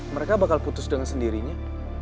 mereka bakal putus dengan sendirinya